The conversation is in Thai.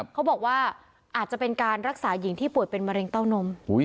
เขาบอกว่าอาจจะเป็นการรักษาหญิงที่ป่วยเป็นมะเร็งเต้านม